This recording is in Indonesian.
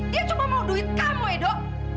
dia cuma mau duit kamu edo